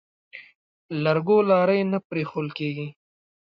لرګو لارۍ نه پرېښوول کېږي.